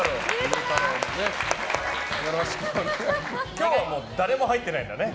今日はもう誰も入ってないんだね。